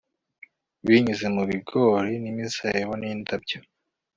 Binyuze mu bigori nimizabibu nindabyo